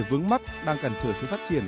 vướng mắt đang cản trở sự phát triển